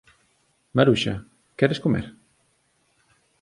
Maruxa, queres comer?